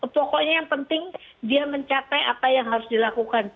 pokoknya yang penting dia mencapai apa yang harus dilakukan